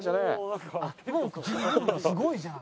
すごいじゃん」